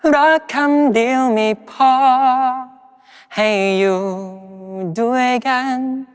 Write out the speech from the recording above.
รักคำเดียวไม่พอให้อยู่ด้วยกัน